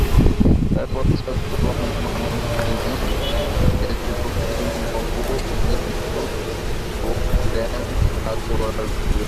তাই পশ্চিমবঙ্গের মানুষও একজোট হয়েছে পশ্চিমবঙ্গ ভেঙে পৃথক গোর্খাল্যান্ড রাজ্য গড়ার বিরুদ্ধে।